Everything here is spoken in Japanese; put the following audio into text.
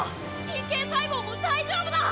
神経細胞も大丈夫だ！